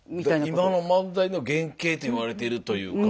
今の漫才の原型と言われてるというか。